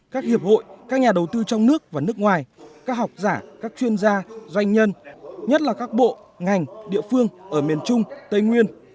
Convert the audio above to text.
các hiệp hội các nhà đầu tư trong nước và nước ngoài các học giả các chuyên gia doanh nhân nhất là các bộ ngành địa phương ở miền trung tây nguyên